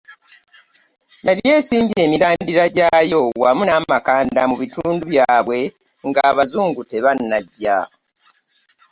Yali esimbye emirandira gyayo wamu n'amakanda mu bitundu byabwe ng’Abazungu tebannajja.